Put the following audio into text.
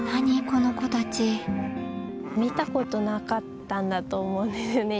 このコたち見たことなかったんだと思うんですよね。